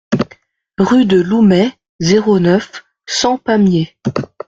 Rue de Loumet, zéro neuf, cent Pamiers